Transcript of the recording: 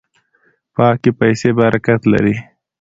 پاکې پیسې برکت لري.